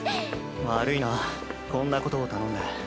悪いなこんなことを頼んで。